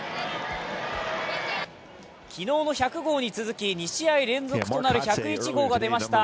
昨日の１００号に続き、２試合連続となる１０１号が出ました。